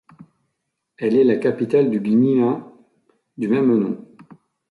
Elle est la capitale du Gmina du même nom.